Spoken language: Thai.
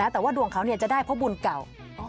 แต่ว่าดวงเขาจะได้เพราะบุญเก่า